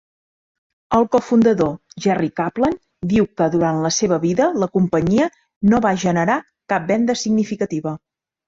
El cofundador Jerry Kaplan diu que durant la seva vida, la companyia no va generar "cap venda significativa".